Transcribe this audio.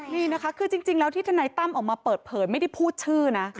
นี่นะคะคือจริงแล้วที่ทนายตั้มออกมาเปิดเผยไม่ได้พูดชื่อนะ